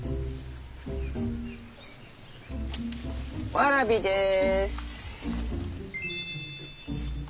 わらびです。